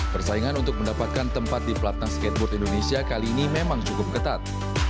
persaingan untuk mendapatkan tempat di pelatnas skateboard indonesia kali ini memang cukup ketat